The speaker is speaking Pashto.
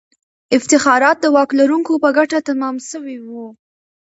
افتخارات د واک لرونکو په ګټه تمام سوي وو.